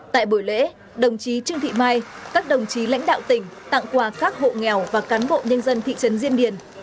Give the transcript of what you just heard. tại buổi lễ đồng chí trương thị mai các đồng chí lãnh đạo tỉnh tặng quà các hộ nghèo và cán bộ nhân dân thị trấn diêm điền